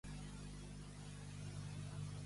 Què ha obviat Bonig, segons la Intersindical?